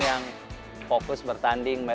yang fokus bertanding